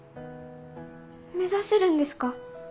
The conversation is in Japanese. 目指せるんですか？